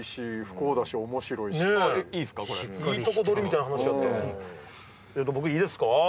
僕いいですか？